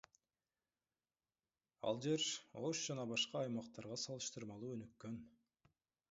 Ал жер Ош жана башка аймактарга салыштырмалуу өнүккөн.